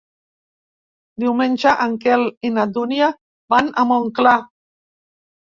Diumenge en Quel i na Dúnia van a Montclar.